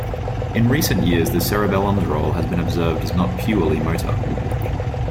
In recent years the cerebellum's role has been observed as not purely motor.